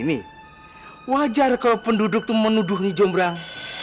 itu menuduh nih jombrang